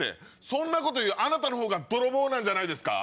そんなこと言うあなたのほうが泥棒なんじゃないですか？